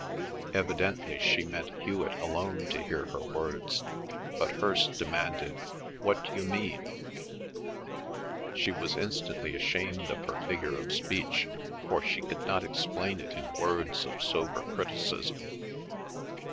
Evidently she meant Hewet alone to hear her words, but Hirst demanded, "What d'you mean?" She was instantly ashamed of her figure of speech, for she could not explain it in words of sober criticism.